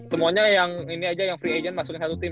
semuanya yang ini aja yang free agent masukin satu tim